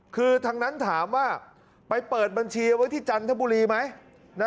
คือทางนั้นถามว่าไปเปิดบัญชีไว้ที่จันทบุรีไหม